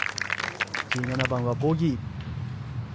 １７番はボギー。